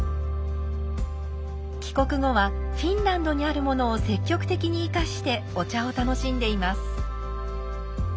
帰国後はフィンランドにあるものを積極的に生かしてお茶を楽しんでいます。